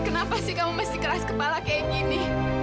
kenapa sih kamu masih keras kepala kayak gini